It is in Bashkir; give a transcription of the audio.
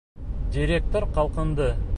Директор ҡалҡынды.